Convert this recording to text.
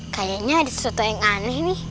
kayaknya ada sesuatu yang aneh nih